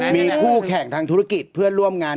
มีคู่แข่งทางธุรกิจเพื่อนร่วมงาน